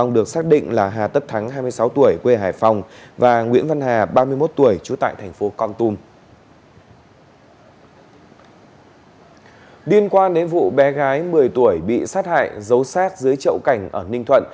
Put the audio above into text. điên qua đến vụ bé gái một mươi tuổi bị sát hại giấu sát dưới chậu cảnh ở ninh thuận